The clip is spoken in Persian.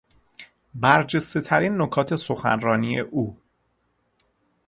برجستهترین نکات سخنرانی او